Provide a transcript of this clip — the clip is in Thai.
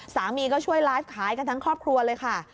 สามีก็ช่วยไลฟ์ขายกันทั้งครอบครัวเลยค่ะ